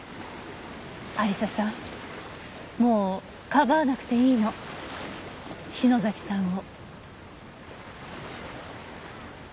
亜理紗さんもうかばわなくていいの篠崎さんを。